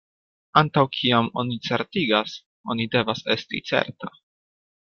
Antaŭ kiam oni certigas, oni devas esti certa.